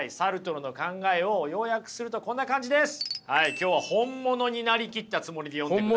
今日は本物に成りきったつもりで読んでくださいよ。